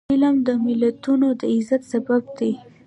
علم د ملتونو د عزت سبب دی.